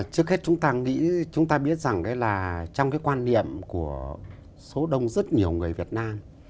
trước hết chúng ta nghĩ chúng ta biết rằng đấy là trong cái quan niệm của số đông rất nhiều người việt nam